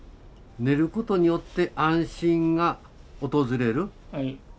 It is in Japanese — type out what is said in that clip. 寝ることによって安心が訪れる。